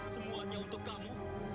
semuanya untuk kamu